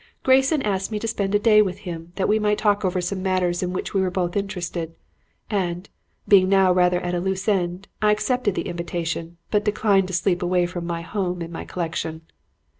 Grayson asked me to spend a day with him, that we might talk over some matters in which we were both interested; and, being now rather at a loose end, I accepted the invitation, but declined to sleep away from home and my collection.